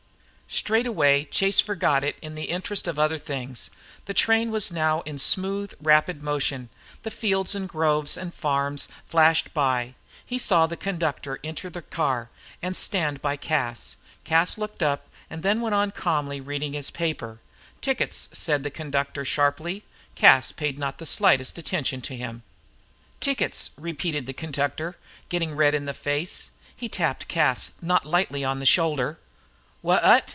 Straightway Chase forgot it in the interest of other things. The train was now in smooth, rapid motion; the fields and groves and farms flashed by. He saw the conductor enter the car and stand by Cas. Cas looked up, and then went on calmly reading his paper. "Tickets," said the conductor, sharply. Cas paid not the slightest attention to him. "Tickets," repeated the conductor, getting red in the face. He tapped Cas not lightly on the shoulder. "Wha at?"